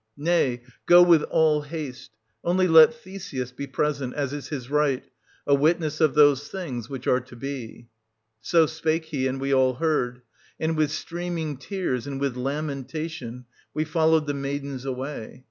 Nay, go with all haste; only let Theseus be present, as is his right, a witness of those things which are to be/ So spake he, and we all heard ; and with streaming tears and with lamentation we followed the maidens away.